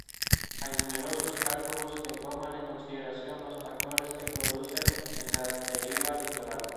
Hay numerosos cálculos que toman en consideración los factores que producen la deriva litoral.